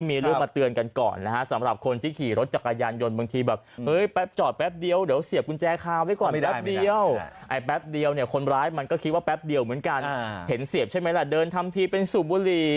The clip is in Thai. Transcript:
มีรูปมาเตือนกันก่อนนะฮะสำหรับคนที่ขี่รถจักรยานยนต์บางทีแบบ